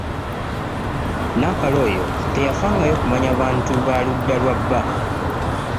Nnampala oyo teyafangayo kumanya bantu ba ku ludda lwa bba.